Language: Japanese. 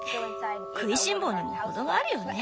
食いしん坊にもほどがあるよね。